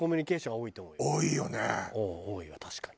多いわ確かに。